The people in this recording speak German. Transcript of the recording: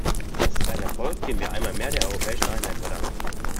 Das ist ein Erfolg, den wir einmal mehr der europäischen Einheit verdanken.